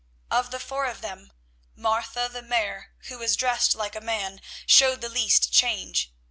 Of the four of them Martha the Mare, who was dressed like a man, showed the least change.